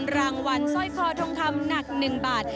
รางวัลสร้อยคอทองคำหนัก๑บาท